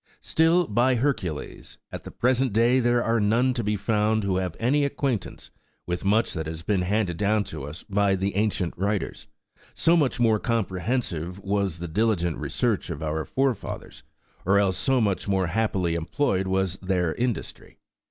Still, by Hercules ! at the present day there are none to be found who have any acquaintance with much that has been handed down to us by the ancient writers ; so much more comprehensive was the diligent research of our forefathers, or else so much more happily employed was their industry.